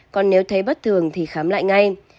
còn nếu thấy bất thường thì khám lại ngay